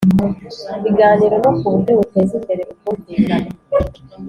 biganiro no ku buryo buteza imbere ubwunvikane